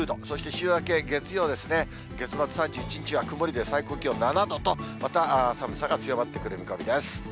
そして週明け月曜ですね、月末３１日は曇りで最高気温７度と、また寒さが強まってくる見込みです。